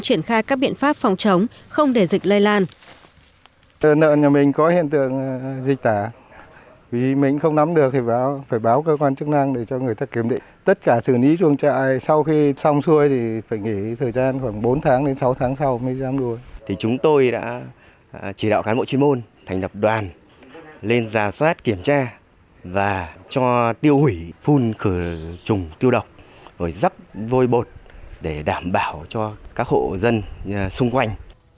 triển khai các biện pháp phòng chống không để dịch lây lan